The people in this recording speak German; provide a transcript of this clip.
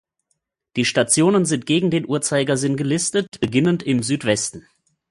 Die Stationen sind gegen den Uhrzeigersinn gelistet, beginnend im Südwesten.